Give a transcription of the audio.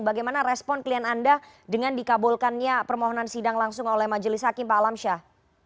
bagaimana respon klien anda dengan dikabulkannya permohonan sidang langsung oleh majelis hakim pak alamsyah